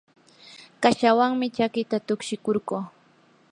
kashawanmi chakita tukshikurquu.